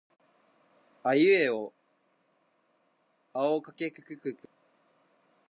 あえいうえおあおかけきくけこかこ